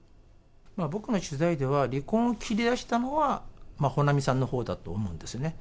僕の取材では、離婚を切り出したのは、保奈美さんのほうだと思うんですよね。